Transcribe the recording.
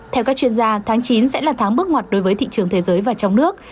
theo các chuyên gia tháng chín sẽ là tháng bước ngoặt đối với thị trường thế giới và trong nước